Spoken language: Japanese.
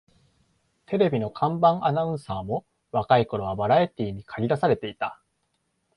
テレビの看板アナウンサーも若い頃はバラエティーにかり出されていた